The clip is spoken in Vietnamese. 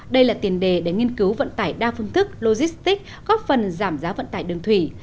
đây là tiền đề để nghiên cứu vận tải đa phương thức logistics góp phần giảm giá vận tải đường thủy